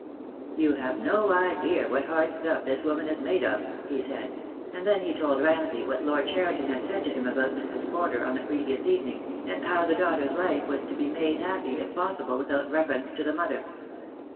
"You have no idea what hard stuff this woman is made of," he said; and then he told Ramsay what Lord Cheriton had said to him about Mrs. Porter on the pre vious evening, and how the daughter's life was to be made happy, if possible, without reference to the mother.